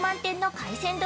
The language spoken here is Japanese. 海鮮丼！